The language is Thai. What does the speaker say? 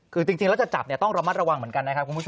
คือจริงแล้วจะจับต้องระมัดระวังเหมือนกันนะครับคุณผู้ชม